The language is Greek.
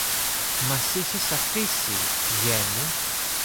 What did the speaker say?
Μας είχες αφήσει, γιε μου